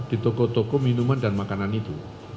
di toko toko minuman dan makanan itu